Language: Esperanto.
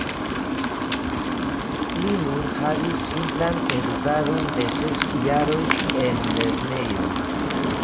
Li nur havis simplan edukadon de ses jaroj en lernejo.